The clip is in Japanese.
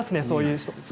そういう人。